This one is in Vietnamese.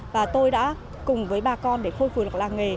và tôi đã cùng với bà con để khôi phùi lọc làng nghề